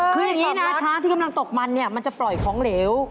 คืออย่างนี้นะช้างที่กำลังตกมันเนี่ยมันจะปล่อยของเหลว